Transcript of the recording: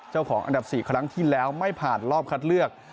อันดับ๔ครั้งที่แล้วไม่ผ่านรอบคัดเลือก